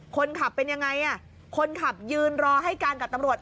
คนขับเป็นยังไงคนขับยืนรอให้การกับตำรวจ